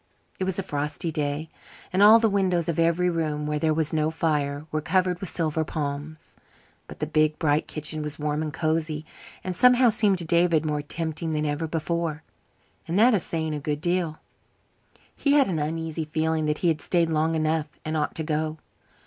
It was a frosty day, and all the windows of every room where there was no fire were covered with silver palms. But the big, bright kitchen was warm and cosy, and somehow seemed to David more tempting than ever before, and that is saying a good deal. He had an uneasy feeling that he had stayed long enough and ought to go.